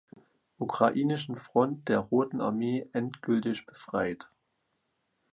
Ukrainischen Front der Roten Armee endgültig befreit.